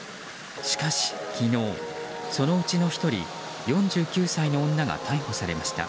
しかし、昨日そのうちの１人４９歳の女が逮捕されました。